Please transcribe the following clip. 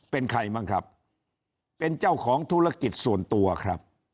เป็นใครบ้างครับเป็นเจ้าของธุรกิจส่วนตัวครับ